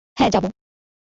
হ্যাঁ, যাবো।